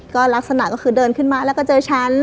ก็ลักษณะก็คือเดินขึ้นมาแล้วก็เจอฉัน